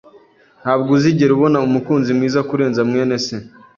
Ntabwo uzigera ubona umukunzi mwiza kurenza mwene se.